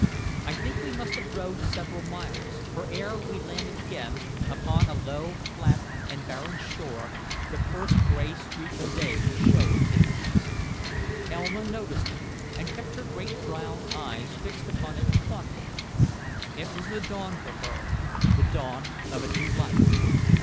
I think we must have rowed several miles, for ere we landed again, upon a low, flat and barren shore, the first gray streak of day was showing in the east. Elma noticed it, and kept her great brown eyes fixed upon it thoughtfully. It was the dawn for her the dawn of a new life.